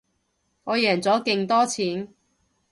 我贏咗勁多錢